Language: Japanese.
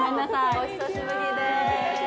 お久しぶりです。